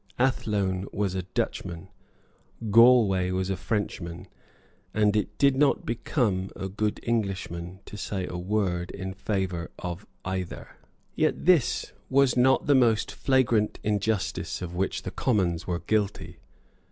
Athlone was a Dutchman; Galway was a Frenchman; and it did not become a good Englishman to say a word in favour of either. Yet this was not the most flagrant injustice of which the Commons were guilty.